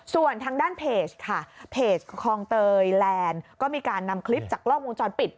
ส่วนทางด้านเพจค่ะเพจคลองเตยแลนด์ก็มีการนำคลิปจากกล้องวงจรปิด